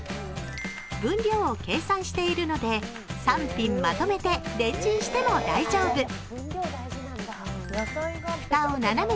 分量を計算しているので３品まとめてレンチンしても大丈夫。